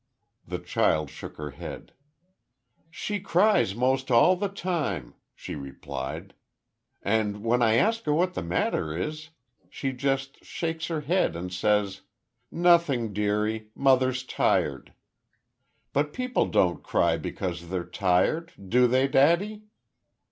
The child shook her head. "She cries most all the time," she replied. "And when I ask her what the matter is, she just shakes her head and says, 'Nothing, dearie. Mother's tired.' But people don't cry because they're tired, do they, daddy?"